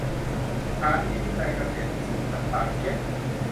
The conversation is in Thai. สถานีวิจัยเกษตรที่สูงสันป่าเกี๊ยะ